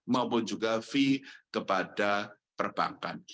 maupun juga fee kepada perbankan